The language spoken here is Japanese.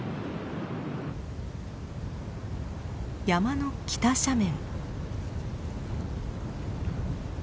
山の北斜面。